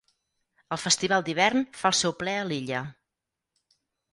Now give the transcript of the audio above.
El festival d'hivern fa el seu ple a l'illa.